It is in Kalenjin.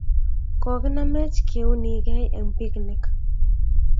Kokinamech keunigei eng' picnic